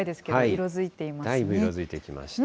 色づいてきました。